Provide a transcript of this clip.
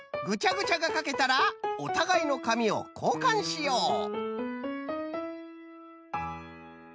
ぐちゃぐちゃがかけたらおたがいのかみをこうかんしよう。